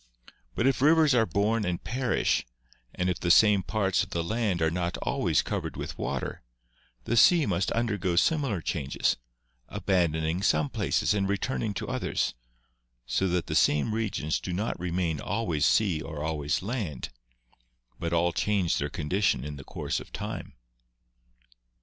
But if rivers are born and perish, and if the same parts of the land are not always covered with water, the sea must undergo similar changes, abandoning some places and return ing to others, so that the same regions do not remain always sea or always land, but all change their con dition in the course of time."